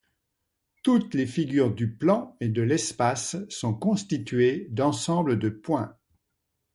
Toutes les figures du plan et de l'espace sont constituées d'ensemble de points.